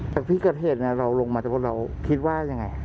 แต่พี่กัสเหตุเนี่ยเราลงมาเราก็คิดว่ายังไง